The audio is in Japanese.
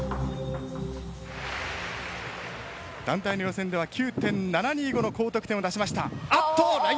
団体の予選では９．７２５の高得点を出しました。